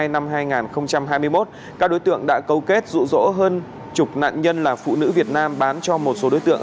năm hai nghìn hai mươi một các đối tượng đã cấu kết rụ rỗ hơn chục nạn nhân là phụ nữ việt nam bán cho một số đối tượng